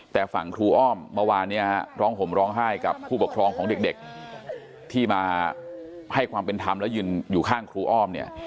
แต่ฝั่งครูอ้อมเมื่อวานเนี่ยร้องห่มร้องไห้กับผู้ปกครองของเด็กที่มาให้ความเป็นธรรมแล้วยืนอยู่ข้างครูอ้อมเนี่ย